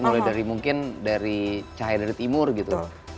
mulai dari mungkin dari cahaya dari timur gitu